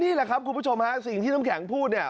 นี่แหละครับคุณผู้ชมฮะสิ่งที่น้ำแข็งพูดเนี่ย